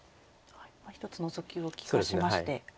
１つノゾキを利かしまして。